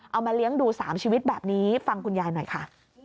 เอามาเลี้ยงดู๓ชีวิตแบบนี้ฟังคุณยายหน่อยค่ะ